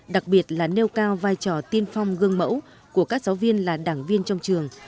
đặc biệt là nêu cao vai trò tiên phong gương mẫu của các giáo viên là đảng viên trong trường